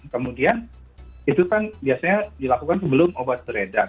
kemudian itu kan biasanya dilakukan sebelum obat beredar